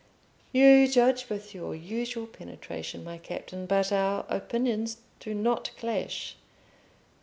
"You judge with your usual penetration, my captain, but our opinions do not clash.